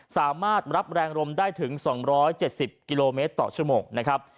สามารถรับแรงลมได้ถึง๒๗๐กิโลเมตรต่อชั่วโมงนะครับ